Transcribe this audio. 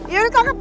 ya udah tangkap